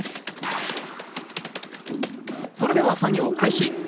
それでは作業開始。